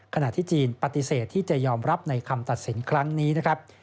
ขณะที่จีนปฏิเสธที่จะยอมรับในคำตัดสินครั้งนี้นะครับ